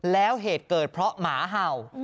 แล้วเหตุเกิดเพราะหมาเห่า